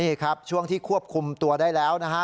นี่ครับช่วงที่ควบคุมตัวได้แล้วนะฮะ